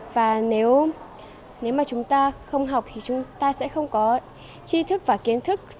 và nếu mà chúng ta không học thì chúng ta sẽ không có chi thức và kiến thức